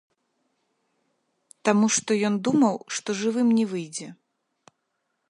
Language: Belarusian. Таму што ён думаў, што жывым не выйдзе.